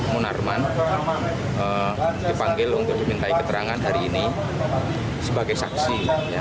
munarman dipanggil untuk dimintai keterangan hari ini sebagai saksi